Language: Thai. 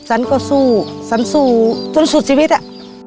ฉันก็สู้ฉันสู้จนสุดชีวิตอ่ะ